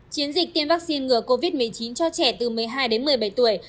chiến dịch tiêm vaccine ngừa covid một mươi chín cho trẻ từ một mươi hai đến một mươi bảy tuổi